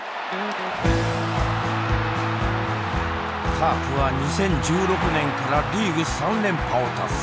カープは２０１６年からリーグ３連覇を達成。